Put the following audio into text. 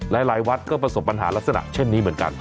หลายวัดก็ประสบปัญหาลักษณะเช่นนี้เหมือนกัน